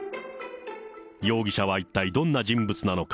容疑者は一体どんな人物なのか。